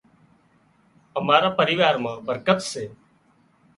امارا پريوا مان برڪت سي